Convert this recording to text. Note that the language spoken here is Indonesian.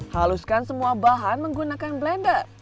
haluskan semua bahan menggunakan blender